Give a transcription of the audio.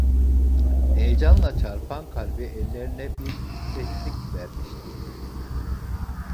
Heyecanla çarpan kalbi ellerine bir titreklik vermişti.